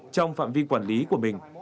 trong phạm vi quản lý của mình